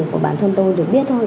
của bản thân tôi được biết thôi